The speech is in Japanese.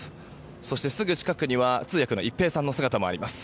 そしてすぐ近くには通訳の一平さんの姿もあります。